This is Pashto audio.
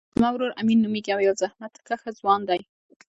زما ورور امین نومیږی او یو زحمت کښه ځوان دی